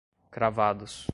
cravados